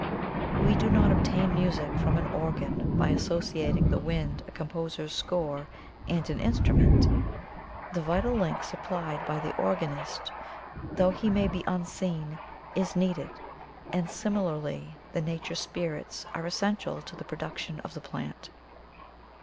We do not obtain music from an organ by associating the wind, a composer's score, and the instrument — the vital link supplied by the organist, though he may be unseen, is needed — and similarly the nature spirits are essential to the production of the plant.